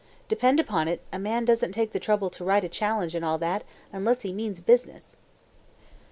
Depend upon it a man doesn't take the trouble to write a challenge and all that, unless he means business."